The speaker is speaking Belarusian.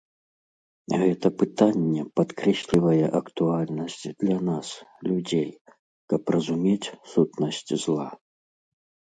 Гэта пытанне падкрэслівае актуальнасць для нас, людзей, каб разумець сутнасць зла.